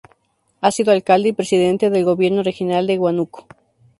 Ha sido alcalde y presidente del Gobierno Regional del Huánuco.